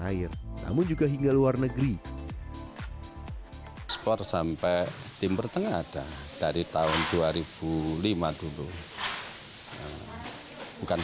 air namun juga hingga luar negeri sport sampai timber tengah ta dari tahun dua ribu lima gubuk hai bukan